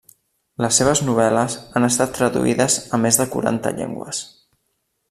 Les seves novel·les han estat traduïdes a més de quaranta llengües.